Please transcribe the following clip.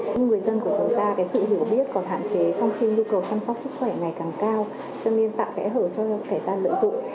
những người dân của chúng ta sự hiểu biết còn hạn chế trong khi nhu cầu chăm sóc sức khỏe ngày càng cao cho nên tạo kẽ hở cho kẻ gian lợi dụng